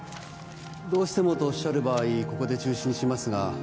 どうしてもとおっしゃる場合ここで中止にしますが